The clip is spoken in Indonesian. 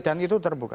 dan itu terbuka